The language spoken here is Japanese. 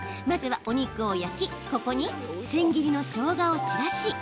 まずはお肉を焼きここに千切りのしょうがを散らし。